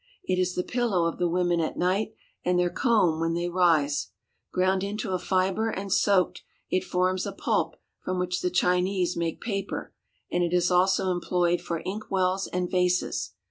It is the pillow of the women at night and their comb when they rise. Ground into a fiber and soaked, it forms a pulp from which the Chinese make paper, and it is also employed for ink wells and vases.